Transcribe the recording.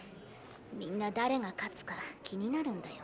みんな誰が勝つか気になるんだよ。